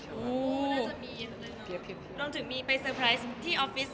ลองถึงไปเซอร์ไพรส์ที่ออฟฟิศ